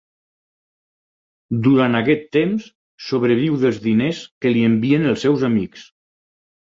Durant aquest temps sobreviu dels diners que li envien els seus amics.